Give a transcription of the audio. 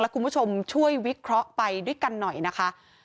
คุณผู้ชมช่วยวิเคราะห์ไปด้วยกันหน่อยนะคะ